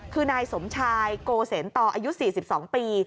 คือนายสมชายโกเสนต่ออายุ๔๒ปี